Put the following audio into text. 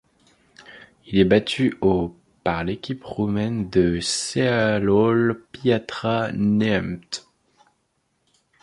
Il est battu au par l'équipe roumaine de Ceahlăul Piatra Neamț.